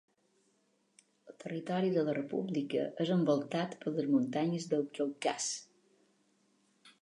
El territori de la república és envoltat per les muntanyes del Caucas.